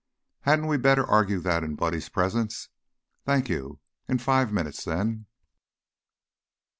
"Hadn't we better argue that in Buddy's presence? Thank you. In five minutes, then."